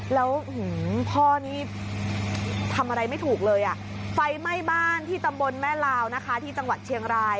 แล้วพ่อนี่ทำอะไรไม่ถูกเลยอ่ะไฟไหม้บ้านที่ตำบลแม่ลาวนะคะที่จังหวัดเชียงราย